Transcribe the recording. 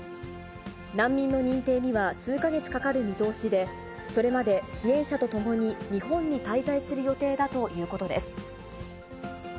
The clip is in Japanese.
難民の認定には数か月かかる見通しで、それまで支援者と共に日本に滞在する予定だということです。